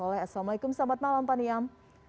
assalamualaikum selamat malam pak niam